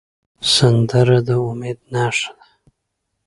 سندره د امید نښه ده